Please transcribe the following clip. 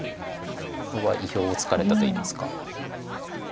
これは意表をつかれたといいますか。